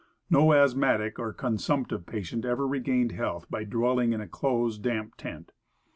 No asthmatic or consumptive patient ever regained health by dwelling in a close, damp tent.